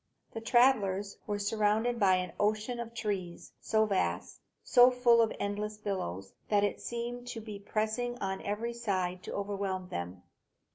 The travellers were surrounded by an ocean of trees, so vast, so full of endless billows, that it seemed to be pressing on every side to overwhelm them.